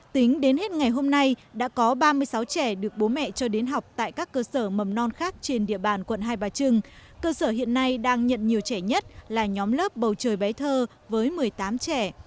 tính đến hết ngày hôm nay đã có ba mươi sáu trẻ được bố mẹ cho đến học tại các cơ sở mầm non khác trên địa bàn quận hai bà trưng cơ sở hiện nay đang nhận nhiều trẻ nhất là nhóm lớp bầu trời bé thơ với một mươi tám trẻ